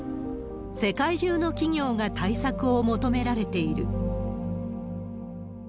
世界中の企業が対策を求められている。